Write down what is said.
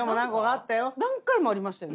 何回もありましたよね